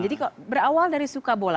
jadi berawal dari suka bola